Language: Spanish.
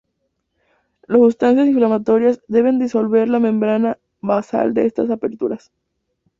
Las sustancias inflamatorias deben disolver la membrana basal de estas aperturas.